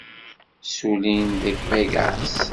Ssullin deg Vegas.